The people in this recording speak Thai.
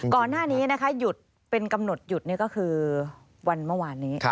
ก่อนหน้านี้นะคะหยุดเป็นกำหนดหยุดนี่ก็คือวันเมื่อวานนี้